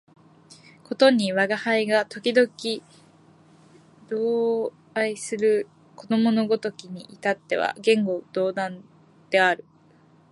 ことに吾輩が時々同衾する子供のごときに至っては言語道断である